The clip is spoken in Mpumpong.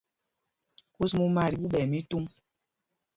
Kus mumá ɛ tí ɓuu ɓɛɛ mítuŋ.